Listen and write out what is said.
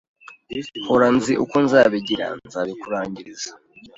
Hora nzi uko nzabigira, nzabikurangiriza.”